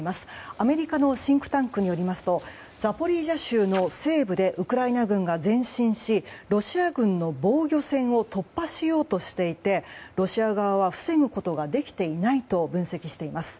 アメリカのシンクタンクによりますとザポリージャ州の西部でウクライナ軍が前進しロシア軍の防御線を突破しようとしていてロシア側は防ぐことができていないと分析しています。